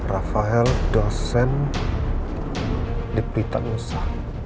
rafael dosen di pitanusa